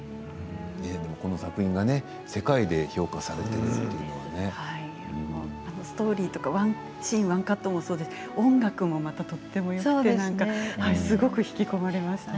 この作品が世界でストーリーとかワンシーンワンカットもそうですけれども音楽もとてもよくてすごく引き込まれました。